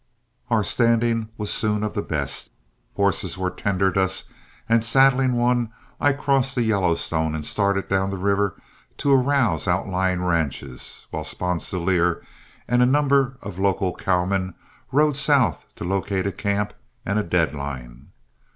Our standing was soon of the best. Horses were tendered us, and saddling one I crossed the Yellowstone and started down the river to arouse outlying ranches, while Sponsilier and a number of local cowmen rode south to locate a camp and a deadline.